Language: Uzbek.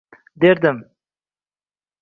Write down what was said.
Derdim: